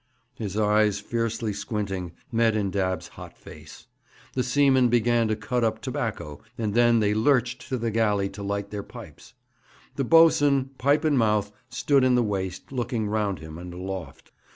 His eyes, fiercely squinting, met in Dabb's hot face. The seamen began to cut up tobacco, and then they lurched to the galley to light their pipes. The boatswain, pipe in mouth, stood in the waist, looking round him and aloft.